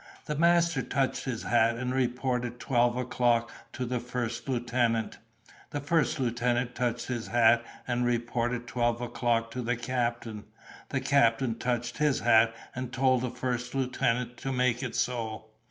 The master touched his hat and reported twelve o'clock to the first lieutenant—the first lieutenant touched his hat and reported twelve o'clock to the captain—the captain touched his hat and told the first lieutenant to make it so.